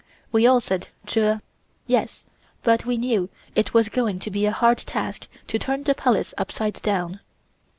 We all said "Jur" (yes), but we knew it was going to be a hard task to turn the Palace upside down.